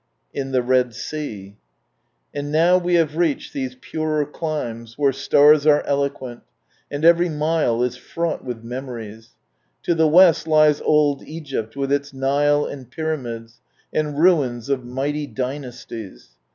/m (Ae Red Sea. — And now we have reached these " purer climes, where stars are eloquent," and every mile is fraught with memories. To the west lies old Egypt, with its Nile and pyramids, and ruins of mighty dynasties.